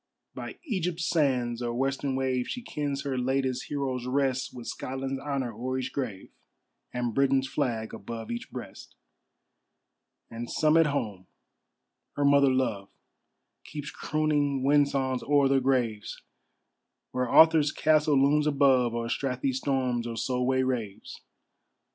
By Egypt's sands or western wave, She kens her latest heroes rest, With Scotland's honor o'er each grave, And Britain's flag above each breast. And some at home. Her mother love Keeps crooning wind songs o'er their graves, Where Arthur's castle looms above, Or Strathy storms or Solway raves.